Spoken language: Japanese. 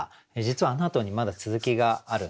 実はあのあとにまだ続きがあるんですよね。